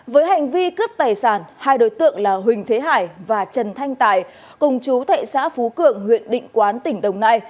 với hành vi cướp tài sản hai đối tượng là huỳnh thế hải và trần thanh tài cùng chú thệ xã phú cường huyện định quán tỉnh đồng nai